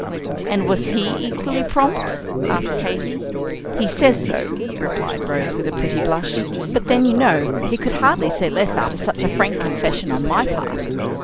"And was he equally prompt?" asked Katy. "He says so," replied Rose, with a pretty blush. "But then, you know, he could hardly say less after such a frank confession on my part.